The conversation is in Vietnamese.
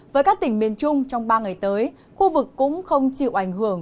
với các tỉnh miền trung trong ba ngày tới khu vực cũng không chịu ảnh hưởng